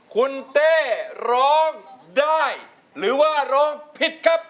คุณเต้ร้องได้หรือว่าร้องผิดครับ